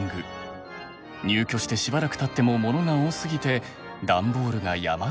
入居してしばらくたってもモノが多すぎて段ボールが山積みに。